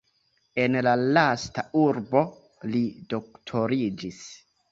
En la lasta urbo li doktoriĝis.